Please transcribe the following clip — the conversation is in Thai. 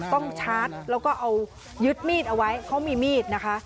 ชาร์จแล้วก็เอายึดมีดเอาไว้เขามีมีดนะคะ